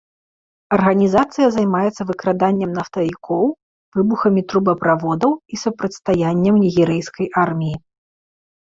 Арганізацыя займаецца выкраданнем нафтавікоў, выбухамі трубаправодаў і супрацьстаяннем нігерыйскай арміі.